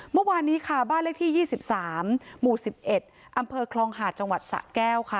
เมื่อวานนี้ค่ะบ้านเลขที่๒๓หมู่๑๑อำเภอคลองหาดจังหวัดสะแก้วค่ะ